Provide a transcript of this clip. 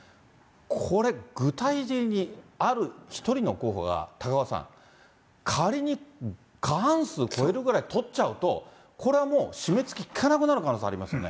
これ、具体的にある１人の候補が、高岡さん、仮に過半数超えるぐらい取っちゃうと、これはもう締めつけ効かなくなる可能性ありますね。